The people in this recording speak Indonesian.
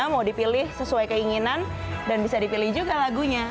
mau dipilih sesuai keinginan dan bisa dipilih juga lagunya